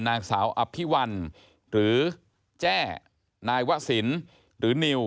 นางสาวอภิวัลหรือแจ้นายวะสินหรือนิว